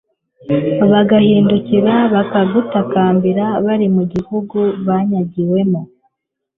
bagahindukira bakagutakambira bari mu gihugu banyagiwemo